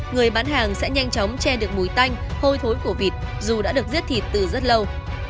người bán hàng sẽ nhanh chóng che được mùi tanh hôi của vịt dù đã được giết thịt từ rất lâu